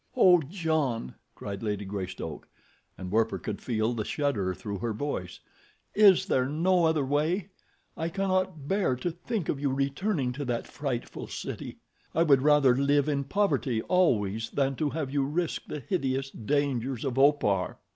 "Oh, John," cried Lady Greystoke, and Werper could feel the shudder through her voice, "is there no other way? I cannot bear to think of you returning to that frightful city. I would rather live in poverty always than to have you risk the hideous dangers of Opar."